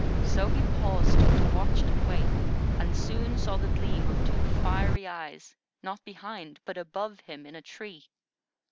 So he paused to watch and wait, and soon saw the gleam of two fiery eyes, not behind, but above him, in a tree.